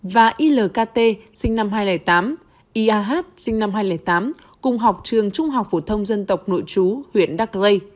và ilkt sinh năm hai nghìn tám iah sinh năm hai nghìn tám cùng học trường trung học phổ thông dân tộc nội chú huyện đắc rây